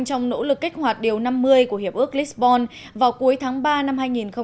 trong nỗ lực kích hoạt điều năm mươi của hiệp ước lisbon vào cuối tháng ba năm hai nghìn một mươi chín